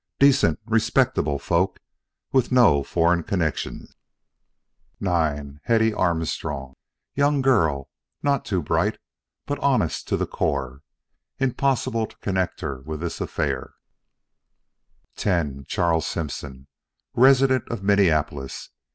Decent, respectable folk with no foreign connections. IX Hetty Armstrong, young girl, none too bright but honest to the core. Impossible to connect her with this affair. X Charles Simpson, resident of Minneapolis.